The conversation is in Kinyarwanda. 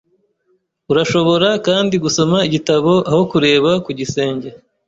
Urashobora kandi gusoma igitabo aho kureba ku gisenge.